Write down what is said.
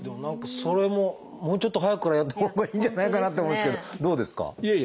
それももうちょっと早くからやったほうがいいんじゃないかなって思うんですけどどうですか？